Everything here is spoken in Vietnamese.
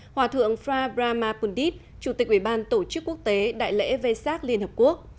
hòa thượng frabrahma pundit chủ tịch ủy ban tổ chức quốc tế đại lễ vê sát liên hợp quốc